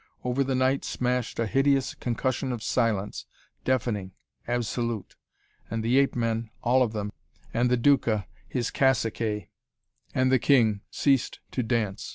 Over the night smashed a hideous concussion of silence, deafening, absolute. And the ape men all of them and the Duca, his caciques, and the king, ceased to dance.